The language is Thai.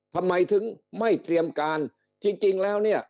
ทำไมถึงไม่เตรียมการจริงแล้วเนี่ย